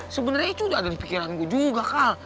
sebenernya itu udah ada di pikiran gue juga kal